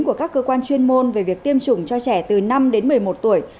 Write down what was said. của các cơ quan chuyên môn về việc tiêm chủng cho trẻ từ năm đến một mươi một tuổi